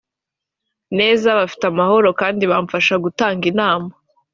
neza bafite amahoro kandi bamfasha gutanga inama